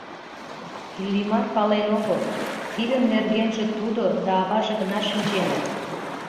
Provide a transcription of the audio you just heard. Иллимар пален огыл — тидын нергенже тудо да аваже гына шинченыт.